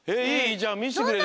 じゃあみせてくれる？